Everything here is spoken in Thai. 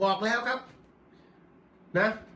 บอกแล้วครับนะ